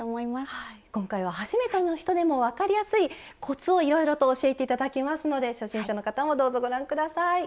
今回は初めての人でも分かりやすいコツをいろいろと教えて頂きますので初心者の方もどうぞご覧下さい。